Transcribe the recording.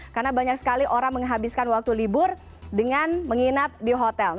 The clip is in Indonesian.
karena banyak sekali orang menghabiskan waktu libur dengan menginap di hotel